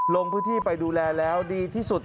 ลงพื้นที่ไปดูแลแล้วดีที่สุด